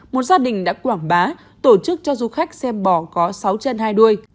một gia đình đã quảng bá tổ chức cho du khách xem bò có sáu chân hai đuôi